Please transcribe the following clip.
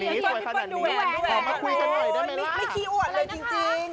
ไม่เคยอวดเลยจริง